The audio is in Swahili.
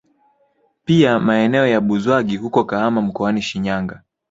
Pia maeneo ya Buzwagi huko Kahama mkoani Shinyanga